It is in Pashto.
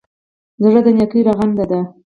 زړه د نېکۍ رغنده ده.